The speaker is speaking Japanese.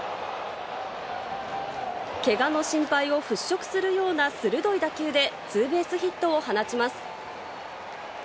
けがの心配を払拭するような鋭い打球でツーベースヒットを放ちます。